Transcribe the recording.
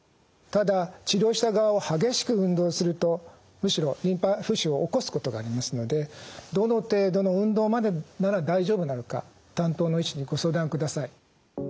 ただ治療した側を激しく運動するとむしろリンパ浮腫を起こすことがありますのでどの程度の運動までなら大丈夫なのか担当の医師にご相談ください。